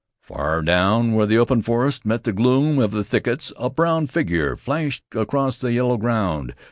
Far down where the open forest met the gloom of the thickets, a brown figure flashed across the yellow ground.